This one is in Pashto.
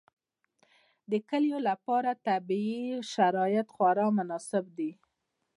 د کلیو لپاره طبیعي شرایط خورا مناسب دي.